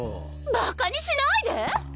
ばかにしないで！